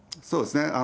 そうですね。